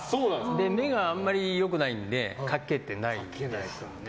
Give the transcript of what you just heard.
目があまり良くないのでかけてないですね。